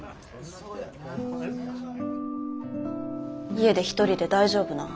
家で一人で大丈夫なん？